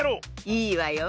いいわよ。